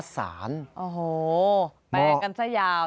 แปลกันซะยาว